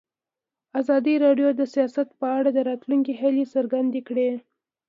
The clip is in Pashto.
ازادي راډیو د سیاست په اړه د راتلونکي هیلې څرګندې کړې.